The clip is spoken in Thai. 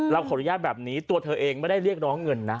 ขออนุญาตแบบนี้ตัวเธอเองไม่ได้เรียกร้องเงินนะ